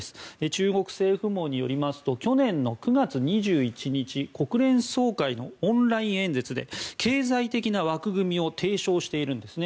中国政府網によりますと去年の９月２１日国連総会のオンライン演説で経済的な枠組みを提唱しています。